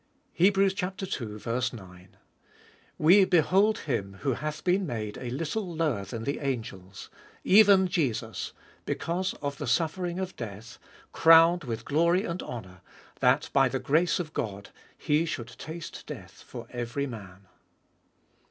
II.— 9. We behold him who hath been made a little lower than the angels, even Jesus, because of the suffering of death crowned with glory and honour, that by the grace of God He should taste death for every man.